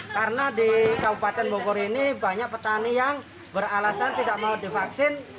karena di kabupaten bogor ini banyak petani yang beralasan tidak mau divaksin